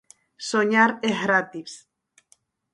Soñar é gratis.